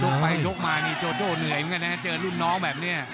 ไปชกมานี่โจโจ้เหนื่อยเหมือนกันนะเจอรุ่นน้องแบบนี้